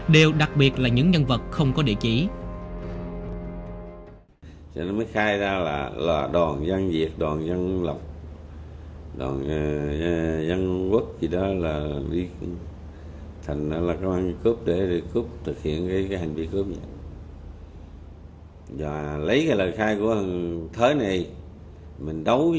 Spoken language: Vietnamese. đặc biệt là những nhân vật không có địa chỉ